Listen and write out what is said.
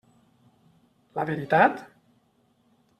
La veritat?